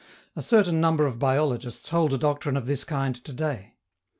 A certain number of biologists hold a doctrine of this kind to day.